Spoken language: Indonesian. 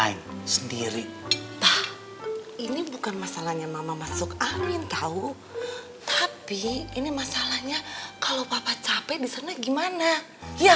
ini bukan masalahnya mama masuk angin tahu tapi ini masalahnya kalau papa capek disana gimana iya